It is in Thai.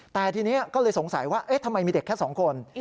แต่ทีนี้ก็เลยสงสัยว่าทำไมมีเด็กแค่๒คน